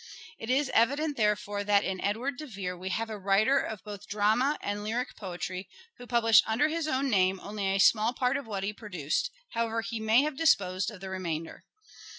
It is evident, therefore, that in Edward de Vere we have a writer of both drama and lyric poetry who published under his own name only a small part of what he produced, however he may have disposed of the remainder.